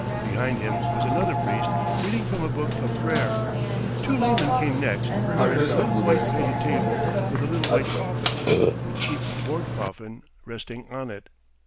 Behind him was another priest reading from a book of prayer. Two laymen came next, bearing a little white painted table with a little white coffin a cheap board coffin resting on it.